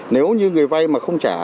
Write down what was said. nếu như người vai mà không trả